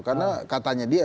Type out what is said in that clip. karena katanya dia